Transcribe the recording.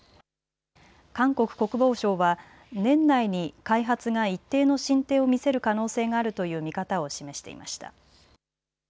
韓国国防省は年内に開発が一定の進展を見せる可能性があるという見方を示していました。